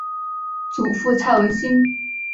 祖父蔡文兴。